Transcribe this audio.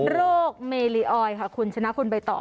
โรคเมลีออยค่ะคุณชนะคุณใบต่อ